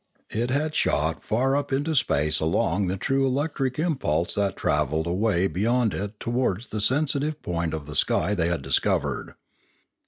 It had shot far up into space along the true electric impulse that travelled away beyond it towards the sensitive point of sky they had discovered.